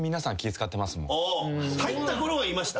入ったころはいました？